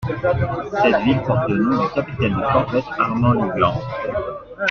Cette ville porte le nom du capitaine de corvette Armand Lugan.